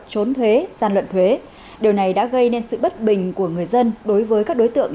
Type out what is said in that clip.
trốn thuế gian lận thuế điều này đã gây nên sự bất bình của người dân đối với các đối tượng